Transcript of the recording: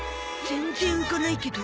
全然浮かないけど？